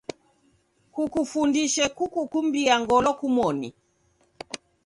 Kukufundishe kukukumbia ngolo kumoni.